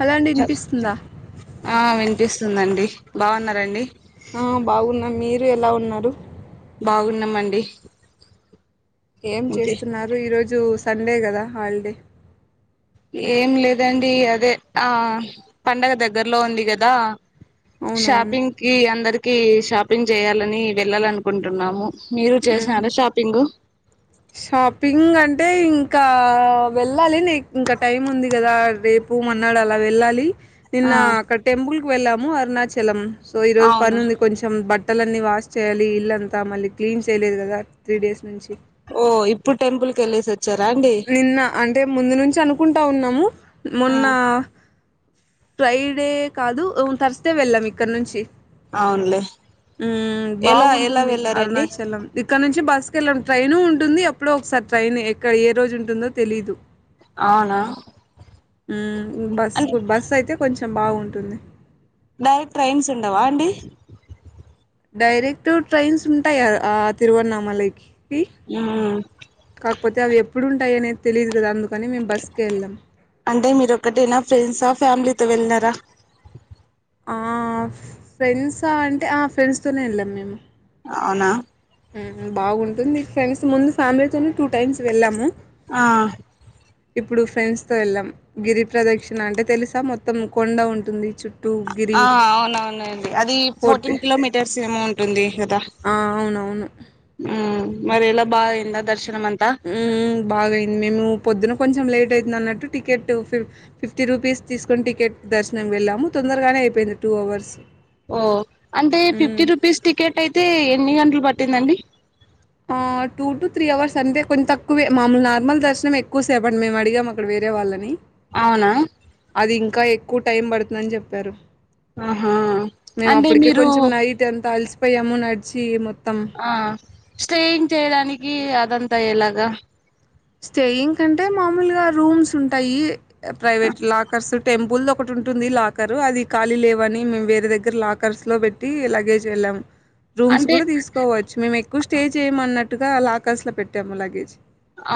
Hollow అండీ ఇనిపిస్తుందా పిస్తుందండి బాగున్నరాండి ఆ బాగున్నం మీరు ఎలా ఉన్నారు బాగున్నామండి ఏం ఇంకే చేస్తున్నారు ఈరోజు సండే కదా హాలిడే ఏం లేదండి అదే ఆ పండగ దగ్గరలో ఉంది కదా అవునవును షాపింగ్ కి అందరికి షాపింగ్ చేయ్యాలని వెళ్ళాలనుకుంటున్నాము మీరు చేసినారా షాపింగ్ షాపింగ్ అంటే ఇంకా వెళ్ళాలి ని ఇంకా టైం ఉంది కదా రేప్ పూ మర్న్నాడు అలా వెళ్ళాలి నిన్న ఆ అక్కడ టెంపుల్ కు వెళ్ళాము అరుణాచలం సో ఈరోజు పని అవునా ఉంది కొంచెం బట్ బట్టలన్నీ వాష్ చేయాలి ఇల్లుంతా మళ్ళీ క్లీన్ చేయలేదు కదా త్రీ డేస్ నుంచి ఓ ఇప్పుడు టెంపుల్ కెళ్లేసి నిన్న అంటే ముందు నుంచి అనుకుంటా ఉన్నాము ఆ మొన్న ఫ్రైడే కాదు ఉమ్ థర్స్డే వెళ్ళాం ఇక్కడ నుంచి అవునులే ఉమ్ ఎలా ఎలా బాగుంటుంది వెళ్ళారండి అరుణాచలం ఇక్కడ నుంచి బస్ సుకెళ్ళం ట్రైను ఉంటుంది ఎప్పుడు ఒకసారి ట్రైన్ ఎక్కడ ఏ రోజు ఉంటుందో తెలీదు అవునా ఉమ్ అంటే బస్సు బస్సు అయితే కొంచెం బాగుంటుంది నైట్ ట్రైన్స్ ఉండవా అండి డైరెక్ట్ ట్రైన్స్ ఉంటాయి ఆ తిరువన్నామలైకి కి మ్మ్. కాకపోతే అవి ఎప్పుడుంటాయి అనేది తెలిదు కదా అందుకు అంటే మీరుొక్కటేనా ఫ్రెండ్సా ఫ్యామిలీతో వెళ్ళినారా అ ఫ్రెండ్స్ అంటే ఆ ఫ్రెండ్స్తోనే వెళ్ళాము మేము అవునా ఉమ్ బాగుంటుంది ఫ్రెండ్స్ ముందు ఫ్యామిలీతోనే టూ టైమ్స్ వెళ్ళాము ఆ ఇప్పుడు ఫ్రెండ్స్ తో వెళ్ళాం గిరిప్రదక్షిణ అంటే తెలుసా మొత్తం కొండ ఉంటుంది చు ఆ అవునవునండి అది ఫోర్ట్ ఫోర్టీన్ కిలోమీటర్స్ ఏమో ఉంటుంది కదా ఆ అవునవును ఉమ్ మరేలా బాగాంద దర్శ ఉం బాగాయింది మేము పొద్దున కొంచెం లేట్ అయితదన్నట్టు టికెట్ ఫిఫ్ ఫిఫ్టీ రూపీస్ తీసుకొని టికెట్ దర్శనం వెళ్ళాము తొందరగానే అయిపోయింది టూ టూ అవర్స్ ఓ అంటే ఫిఫ్టీ మ్మ్ రూపీస్ టికెట్ అయితే ఎన్ని గంటలు పట్టిందండి ఆ టూ టు త్రీ అవర్స్ అంటే కొన్ని తక్కువే మామూలు నార్మల్ దర్శనం ఎక్కువసేపండి మేము అడిగా మాక్కడ వే వేరే వాళ్ళని అవునా అది ఇంకా ఎక్కువ టైం పడుతుందని చెప్పారు ఆహా మేము అంటే అప్పటికే మీరు కొంచెం నైట్ ఎంత అలిసిపోయాము నడిచి మొత్తం ఆ స్టేయింగ్ చేయడానికి అదంతా ఎలాగా స్టేయింగ్ కంటే మామూలుగా రూమ్స్ ఉంటాయి ప్రైవేట్ లాకర్స్ టెంపుల్ దోక ఒకటి ఉంటుంది లాకర్ అది ఖాళీ లేవని మేము వేరే దగ్గర లాకర్స్ లో పెట్టి లగేజ్ వెళ్ళాం రూమ్స్ అంటే కూడా తీసుకోవచ్చు మేము ఎక్కువ స్టే చేయమ అన్నట్టుగా లాకర్స్ లో పెట్టాము లగేజ్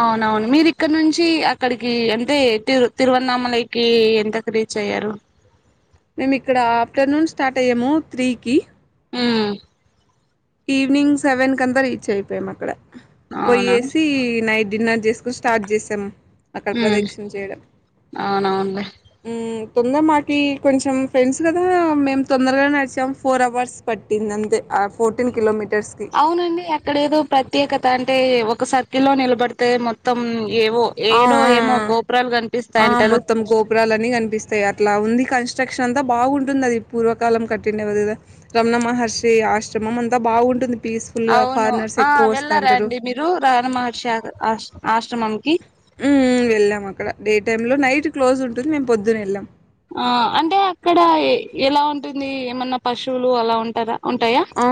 అవునవును మీరు ఇక్కడ నుంచి అక్కడికి అంటే తిరువ్ తిరువన్నామలకి ఎంత పే చేయరు మేము ఇక్కడ ఆఫ్టర్నూన్ స్టార్ట్ అయ్యాము త్రీకి అ ఈవినింగ్ సెవెన్ కంతా రీచ్ అయిపోయాం అక్కడ అవునా పోయేసి నైట్ డిన్నర్ చేసి స్టార్ట్ చేసాం అక్కడ మ్మ్ ప్రదక్షిణ చేయడం అవునవునులే మ్ తొందర మాకి కొంచెం ఫ్రెండ్స్ కదా మేము తొందరగా నడిచాం ఫోర్ అవర్స్ పట్టింది అంతే కిలోమీటర్స్‌కి. అవునండి అక్కడ ఏదో ప్రత్యేకత త అంటే ఒక సర్కిల్ల్లో నిలబడితే మొత్తం ఏవో ఆ ఏడో ఆ ఏమో గోపురాలు ఆ కనిపిస్తాయంటారు మొత్తం ఆ గోపురాలన్ని కనిపిస్తాయి అ ఇట్లా ఉంది కన్స్ట్రక్షన్ అంతా బాగుంటుంది అది పూర్వకాలం కట్టిండవ కదా రమణ మహర్షి ఆశ్రమ ర్మ అంత బాగుంటుంది పీస్‌ఫుల్‌గా అవును ఫారినర్స్ ఆ ఎక్కువ వస్తా వెళ్ళారా అంటారు. అండి మీరు రాణ మహర్షి ఆ ఆశ్రమంకి మ్ వెళ్ళాం అక్కడ డే టైమ్ లో నైట్ క్లోజ్ ఉంటుంది మేము పొద్దున వెళ్ళాం ఆ అంటే అక్కడ ఎలా ఉంటుంది ఏమన్నా పశువులు అలా ఉంటారా ఉంటాయా ఆ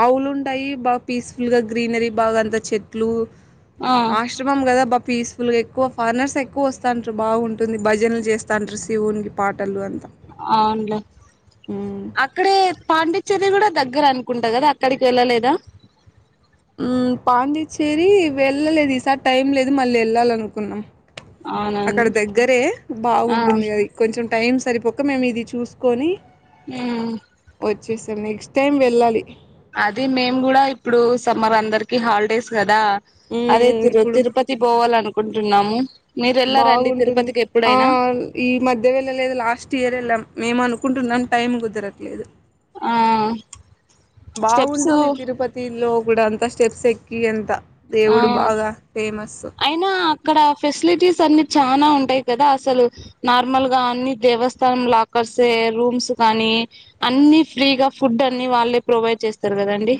ఆవులు ఉంటాయి బాగా పీస్ఫుల్ గా గ్రీనరీ బాగా అంత చెట్లు ఆ ఆశ్రమం కదా బా పీస్ పుకి ఎక్కువ ఫార్నర్స్ ఎక్కువ వస్తాంటారు బాగుంటుంది భజనలు చేస్తాంటారు శివునికి పాటలు అ అవునులే మ్మ్ అక్కడే పాండి చెర్రీ కూడా దగ్గర అనుకుంటా కదా అక్కడికి వెళ్ళలేదా మ్ పాండిచ్చేరి వెళ్ళలేదు ఈసార్ టైం లేదు మళ్ళీ వెళ్ళాలినుకు కున్నాం అక్కడ అవునండి దగ్గరే ఆ బాగుంటుంది అది కొంచెం టైం సరిపోక మేము ఇది చూసుకొని మ్ వచ్చేసాను నెక్స్ట్ టైమ్ వెళ్ళాలి అది మేము కూడా ఇప్పుడు సమ్మర్ అందరికి హాలిడేస్ కదా అదే మ్మ్ తిరు ఇప్పుడు తిరుపతి పోవాల అనుకుంటున్నాము మీరు వెళ్ళారండి బాగుంటుంది తిరుపతికి ఆ ఎప్పుడైనా ఈ మధ్య వెళ్ళలేదు లాస్ట్ ఇయర్ వెళ్ళాం మేము అనుకుంటున్నాం టైం కుదరట్లేదు ఆ స్టెప్స్ బాగుంటుంది తిరుపతి లో కూడా అంత స్టెప్స్ ఎక్కి ఎంత ఆ అయినా అక్కడ ఫెసిలిటీస్ మ్స్ అన్ని చానా ఉంటాయి కదా అసలు నార్మల్ గా అన్ని దేవస్థానం లాకర్సే రూమ్స్ కానీ అన్ని ఫ్రీగా ఫుడ్ అన్ని వాళ్ళే ప్రొవైడ్ చేస్తారు కదండి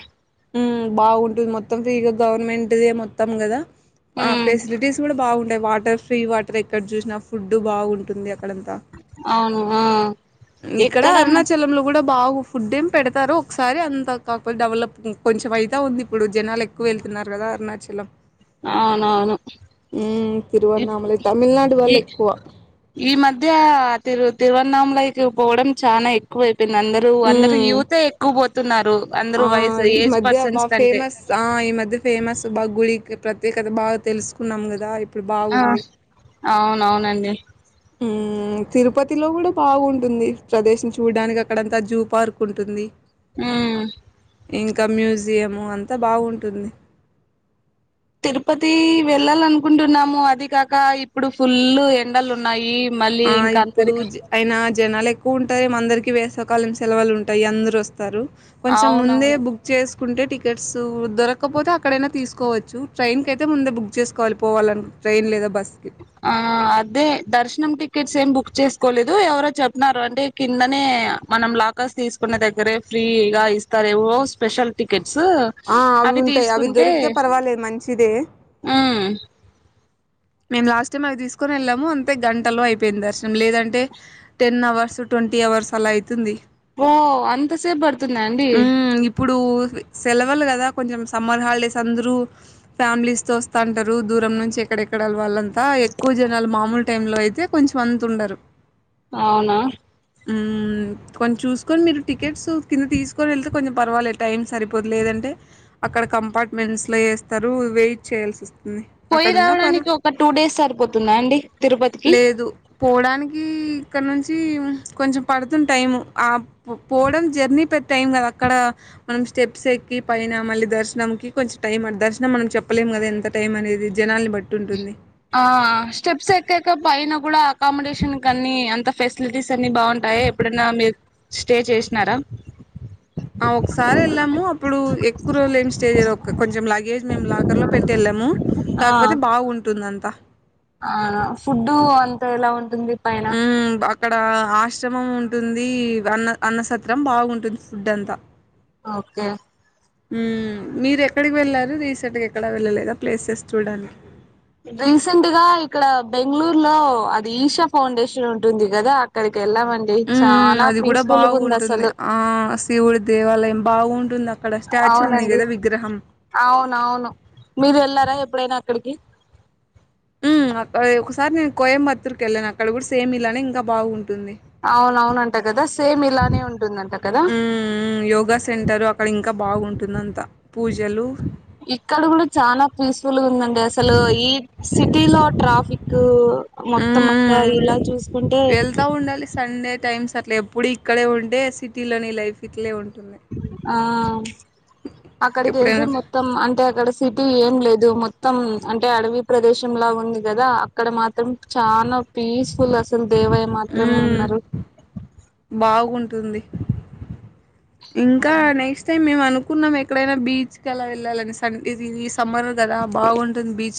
మ్ బాగుంటుంది మొత్తం ఫ్రీగా గవర్నమెట్ దే మొత్తం కదా ఆ ఉమ్ ఫెసిలిటీస్ కూడా బాగుంటాయి వాటర్ ఫ్రీ వాటర్ ఎక్కడ చూసినా ఫుడ్ బాగుంటుంది అక్కడంతా అవును ఆ ఇక్కడ ఎక్కడ అరుణాచలంలో కూడా బాగు ఫుడ్ ఏమి పెడతారు ఒకసారి అంతా కాకపోతే డెవలప్ కొంచెం అయిత ఉంది ఇప్పుడు జనాలు ఎక్కువ వెళ్తున్నారు కదా అరుణాచలం అవునవును హు తిరువణమల మీలాంటి వాళ్ళు ఈ ఎక్కువ ఈ మధ్య తిరు తిరువన్నామల కి పోవడం చాలా ఎక్కువ అయిపోయింది అందరరు అందరు ఉమ్ యుూతే ఎక్కువ పో తున్నారు ఆ ఈ మధ్య బా ఫేమస్ ఆ ఈ మధ్య ఫేమస్ బా గుళ ప్రత్యేకత బాగా తెలుసుకున్నాం కదా ఇప్పుడు ఆ బాగుంది అవునవునండి ఉహు హు తిరుపతిలో కూడా బాగుంటుంది ప్రదేశం చూడడానికి అక్కడంతా జూ పార్క్ ఉంటుంది హు ఇంకా మ్యూజియంము అంతా బాగుంటుంది తిరుపతి వెళ్ళాలనుకుంటున్నాము అది కాక ఇప్పుడు ఫుల్ ఎండలు ఉన్నాయి మళ్ళీ ఆ ఇంకా ఇప్పుడు అందరికి జ అయినా జనాలు ఎక్కువ ఉంటాయి అందరికి వేసవకాలం సెలవులు ఉంటాయి అందరు వస్తారు కొంచెం ముందే అవునవును బుక్ చేసుకుంటే టి టికెట్స్ దొరకపోతే అక్కడైనా తీసుకోవచ్చు ట్రైన్ కి అయితే ముందే బుక్ చేసుకోవాలి పోవాలను ట్రైన్ లేదా బస్సు ఆ అదే దర్శనం టి టికెట్స్ ఏం బుక్ చేసుకోలేదు ఎవరో చేపినారు అంటే కిందనే మనం లాకర్స్ తీసుకునే దగ్గరే ఫ్రీగా ఇస్తారే ఓ స్పెషల్ టికెట్స్ ఆ అవి ఉంటాయి తీసుకుంటే దొరికితే పర్వాలేదు మంచిదే నేను లాస్ట్ టైం అవి తీసుకు తీసుకొని వెళ్ళాము అంతే గంటలో అయిపోయింది దర్శనం లేదంటే టెన్ అవర్స్ ట్వంటీ అవర్స్ అలా అవుతుంది ఓ అంతసేపు పడుతుంద అండి ఉమ్ ఇప్పుడు సెలవలు కదా కొంచెం సమ్మర్ హాలిడేస్ అందరుూ ఫ్యామిలీస్ తో వస్తంటారు దు దూరం నుంచి ఎక్కడెక్కడ వాళ్ళంతా ఎక్కువ జనాలు మామూలు టైమ్ లో అయితే కొంచెం అంత ఉండరు అవునా హు కొన్నిం చూసుకొని మీరు టికెట్స్ కింద తీసుకొని వెళ్తే కొంచెం పర్వాలే టైం సరిపోదు లేదంటే అక్క అక్కడ కంపార్ట్మెంట్స్ లో వేస్తారు వెయిట్ చేయాల్సి ఉంది పోయి అక్కడున్న పరు రావడానికి ఒక టూ డేస్ సరిపోతుందా అండి తిరుపతికి లేదు పోడానికి ఇక్కడి నుంచి కొంచెం పడుతుంది టైము పో పోవడం జర్నీ పెద్ద టైం కదా అక్కడ మనం స్టెప్స్ ఎ కి పైన మళ్లీ దర్శనానికి కొంచం టైం అ దర్శనం మనం చెప్పలేం కదా ఎంత టైం అనేది జనాన్ని బట్టి ఉంటుంది ఆ స్టెప్స్ ఎక్కాక పైన కూడా అకామిడేషన్ క అన్ని అంత ఫెసిలిటీస్ అన్ని బాగుంటాయా ఎప్పుడు అన్న మీరు స్టే చేసినారా ఆ ఒకసారి వెళ్ళాము అప్పుడు ఎక్కువ రోజులు ఏమీ స్టేజ్ కొంచెం లాగేజ్ మేము లాకర్ లో పెట్టే వెళ్ళాము కాకపోతే బాగుంటుందంతా అవునా ఫుడ్డు అంత ఎలా ఉంటుంది పైన మ్మ్ అక్కడ ఆశ్రమం ఉంటుంది అన్న అన్నసత్రం బాగుంటుంది ఫుడ్ అంతా ఆ ఓకే హు మీరు ఎక్కడికి వెళ్ళారు రీసెంట్ గా ఎక్కడా వెళ్ళలేదా ప్లేసెస్ చూడడానికి రీసెంట్ గా ఇక్కడ బెంగళూరు లో అది ఈషా ఫౌండేషన్ ఉంటుంది కదా అక్కడికి కెళ్ళామండి హ్మ్. చాలా అది కూడా పీస్ ఫుల్ గా ఉంది బాగుంటుంది. అసలు ఆ! శివుడి దేవాలయం బాగుంటుంది. అక్కడ స్టాచ్యూ ఉంది అవునండి గదా! విగ్రహం. అవున అవును మీరు వెళ్లారా ఎప్పుడైనా ఎక్కడకి హ్మ్. ఒకసారి నేను కోయంబత్తూర్ కి వెళ్ళాను అక్కడ కూడా సేమ్ ఇల్లానే ఇంకా బాగుంటు అవును అవునంట కదా సేమ్ ఇలానే ఉంటుందంట కదా హ్మ్. యోగా సెంటరు అక్కడ ఇంకా బాగుంటుంది అంత పూజలు ఇక్కడ కూడా చానా పీస్ఫుల్ గా ఉందండి అసలు ఈ సిటీ లో ట్రాఫిక్ మొత్తం అక్క హ్మ్. ఇలా చూసుకుంటే అట్ల ఎప్పుడూ ఇక్కడే ఉంటే సిటీలోని లైఫ్ ఇట్లే ఉంట ఆ అక్కడికి వెళ్తే ఎప్పుడైనా మొత్తం అంటే అక్కడ సిటీ ఏం లేదు మొత్తం అంటే అడవి ప్రదేశంలా ఉంది కదా అక్కడ మాత్రం చాలా పీస్ఫుల్ అసలు దేవాయ మాత్రంమే హ్మ్. ఉన్నారు బాగుంటుంది. ఇంకా నెక్స్ట్ టైం మేము అనుకున్నాం ఎక్కడైనా బీచ్ కి అలా వెళ్ళాలని అనేసి ఇది తీస్ సమ్మర్ కదా బాగుంటుంది బీచ్